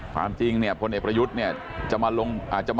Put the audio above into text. ความจริงเนี่ยพลเอกประยุทธ์เนี่ยจะมาลงอาจจะมา